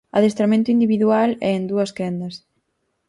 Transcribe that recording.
Adestramento individual e en dúas quendas.